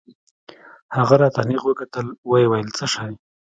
هغه راته نېغ وکتل ويې ويل څه شى.